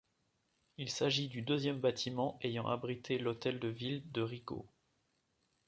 Il s'agit du deuxième bâtiment ayant abrité l'hôtel de ville de Rigaud.